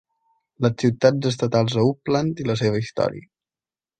Les ciutats estatals a Uppland i la seva història.